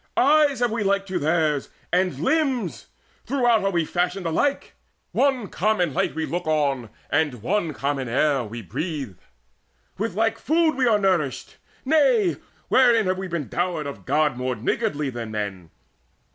Eyes have we like to theirs, and limbs: throughout Fashioned we are alike: one common light We look on, and one common air we breathe: With like food are we nourished nay, wherein Have we been dowered of God more niggardly Than men?